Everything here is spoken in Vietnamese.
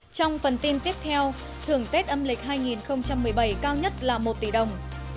trong phần tin tiếp theo thưởng tết âm lịch hai nghìn một mươi bảy cao nhất là một tỷ đồng